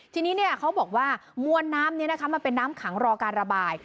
ทีนี้เขาบอกว่ามวลน้ำนี้นะคะมันเป็นน้ำขังรอการระบาย